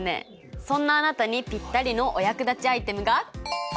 そんなあなたにぴったりのお役立ちアイテムがこちら！